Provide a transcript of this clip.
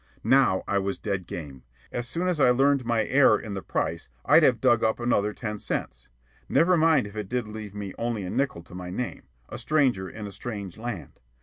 Now I was dead game. As soon as I learned my error in the price I'd have dug up another ten cents. Never mind if it did leave me only a nickel to my name, a stranger in a strange land.